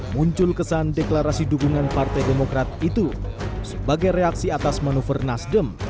muncul kesan deklarasi dukungan partai demokrat itu sebagai reaksi atas manuver nasdem